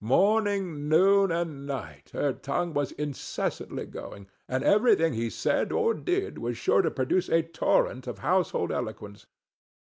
Morning, noon, and night, her tongue was incessantly going, and everything he said or did was sure to produce a torrent of household eloquence.